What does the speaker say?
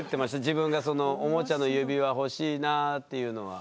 自分が「おもちゃの指輪欲しいなぁ」っていうのは。